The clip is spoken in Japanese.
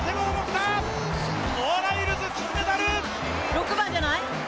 ６番じゃない？